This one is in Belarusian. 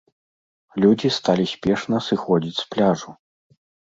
Людзі сталі спешна сыходзіць з пляжу.